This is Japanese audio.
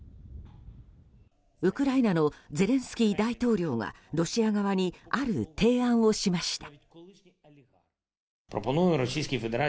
ウクライナのゼレンスキー大統領がロシア側にある提案をしました。